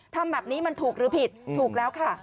ทำแบบนี้มันถูกหรือผิดถูกแล้วค่ะ